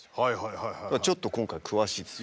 ちょっと今回詳しいです。